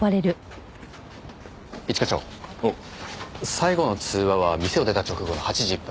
最後の通話は店を出た直後の８時１分。